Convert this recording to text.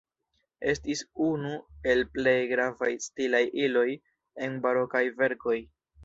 Estis unu el plej gravaj stilaj iloj en barokaj verkoj.